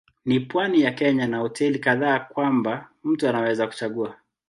Ni pwani ya Kenya na hoteli kadhaa kwamba mtu anaweza kuchagua.